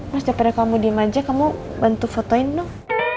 mas udah pada kamu diem aja kamu bantu fotoin dong